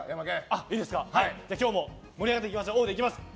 今日も盛り上がっていきましょうおーでいきます。